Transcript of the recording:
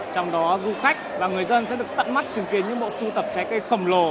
trong đó du khách và người dân sẽ được tận mắt chứng kiến những bộ sưu tập trái cây khổng lồ